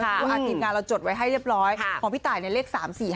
อาทิตย์งานเราจดไว้ให้เรียบร้อยของพี่ตายเนี่ยเลข๓๔๕